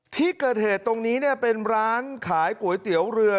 ที่เกิดเหตุตรงนี้เนี่ยเป็นร้านขายก๋วยเตี๋ยวเรือ